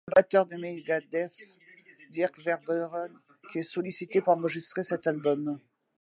C'est le batteur de Megadeth Dirk Verbeuren qui est sollicité pour enregistrer cet album.